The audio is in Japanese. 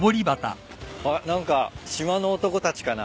あっ何か島の男たちかな？